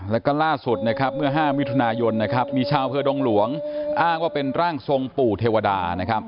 แล้วก็ล่าสุดนะครับเมื่อ๕มิถุนายนมีชาวเผลอดงหลวงอ้างว่าเป็นร่างทรงปู่เทวดา